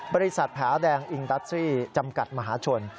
ผาแดงอิงดัสซี่จำกัดมหาชน